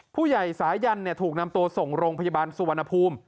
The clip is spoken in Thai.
ผู้ใหญ่สายันถูกนำตัวส่งโรงพยาบาลสุวรรณภูมิ